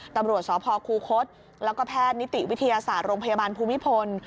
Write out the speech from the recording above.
ตำรวจสพคูคศแล้วก็แพทย์นิติวิทยาศาสตร์โรงพยาบาลภูมิพล